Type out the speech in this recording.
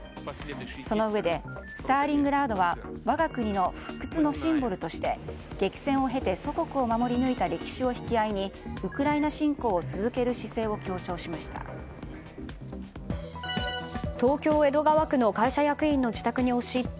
そのうえでスターリングラードは我が国の不屈のシンボルとして激戦を経て祖国を守り抜いた歴史を引き合いにウクライナ侵攻を続ける姿勢を強調しました。